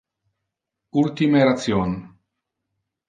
Ultime ration.